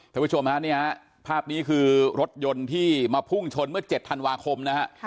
ทุกผู้ชมภาพนี้คือรถยนต์ที่มาพุ่งชนเมื่อ๗ธันวาคม